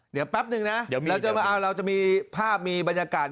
เดี๋ยวแป๊บหนึ่งนะเราจะเอาเราจะมีภาพมีบรรยากาศ